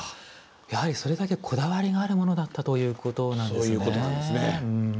やはりそれだけこだわりがあるものだったということなんですね。